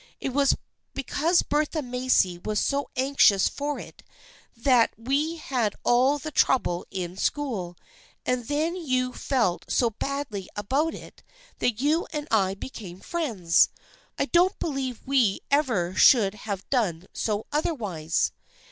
It was because Bertha Macy was so anxious for it that we had all that trouble in school, and then you felt so badly about it that you and I became friends ! I don't believe we ever should have done so otherwise."